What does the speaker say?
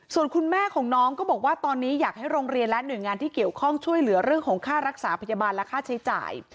ส่วนคุณแม่ของน้องก็บอกว่าตอนนี้อยากให้โรงเรียนและหน่วยงานที่เกี่ยวข้องช่วยเหลือเรื่องของค่ารักษาพยาบาลและค่าใช้จ่าย